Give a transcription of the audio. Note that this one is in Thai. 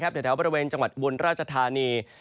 อ้างแถวจังหวัดวนราชธานี